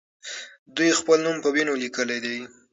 دوی خپل نوم په وینو لیکلی دی.